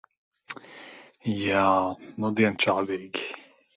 Jā, nudien čābīgi.